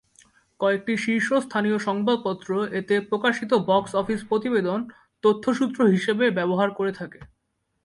কয়েকটি শীর্ষস্থানীয় সংবাদপত্র এতে প্রকাশিত বক্স অফিস প্রতিবেদন তথ্যসূত্র হিসেবে ব্যবহার করে থাকে।